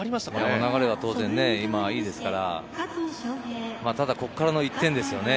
流れがいいですから、ただここからの１点ですね。